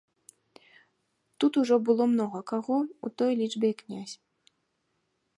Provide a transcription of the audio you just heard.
Тут ужо было многа каго, у той лічбе і князь.